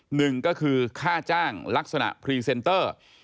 หนึ่งก็คือค่าจ้างลักษณะพรีเซนเตอร์